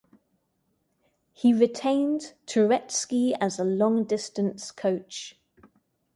He retained Touretski as a long-distance coach.